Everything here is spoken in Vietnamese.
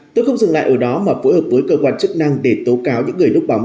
tôi không dừng lại ở đó mà phối hợp với cơ quan chức năng để tố cáo những người núp bóng